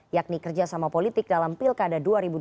yakni kerjasama politik dalam pilkada dua ribu dua puluh